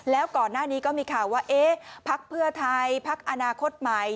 แล้วก่อนหน้านี้ก็มีข่าวว่าเอ๊ะพักเพื่อไทยพักอนาคตใหม่